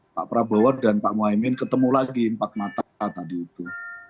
pak prabowo dan pak muhaymin ketemu lagi empat mata tadi itu